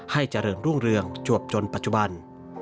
ให้เจริญรุ่งเรืองจวบจนปัจจุบัน